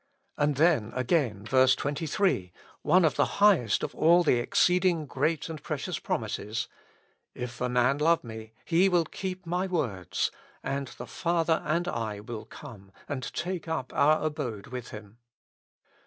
And then again, verse 23, one of the highest of all the exceed ing great and precious promises :" If a man love me he will keep my words, and the Father and I will come and take up our abode with him."